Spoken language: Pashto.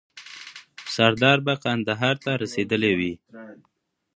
سردار به کندهار ته رسېدلی وي.